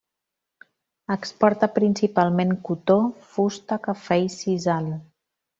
Exporta principalment cotó, fusta, cafè i sisal.